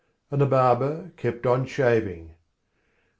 And the barber kept on shaving.